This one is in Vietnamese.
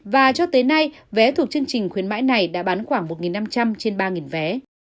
và cho tới nay vé thuộc chương trình khuyến mãi này đã bán khoảng một năm trăm linh trên ba vé